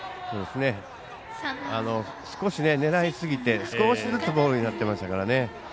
少し狙いすぎて少しずつボールになってますからね。